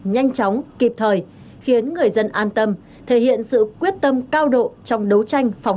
nhanh chóng kịp thời khiến người dân an tâm thể hiện sự quyết tâm cao độ trong đấu tranh phòng